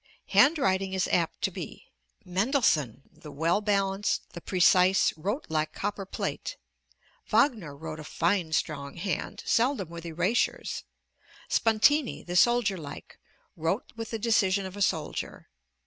Handwriting is apt to be. Mendelssohn, the well balanced, the precise, wrote like copper plate. Wagner wrote a fine strong hand, seldom with erasures. Spontini, the soldier like, wrote with the decision of a soldier.